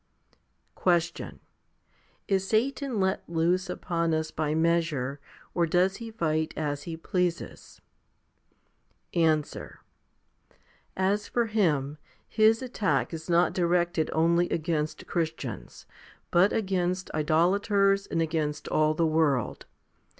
3. Question. Is Satan let loose upon us by measure, or does he fight as he pleases ? 185 i86 FIFTY SPIRITUAL HOMILIES Answer. As for him, his attack is not directed only against Christians, but against idolaters, and against all the world.